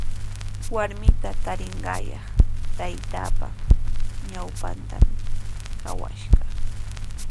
Warmita tarinqaayaq taytaapa ñawpantrawmi kawashaq.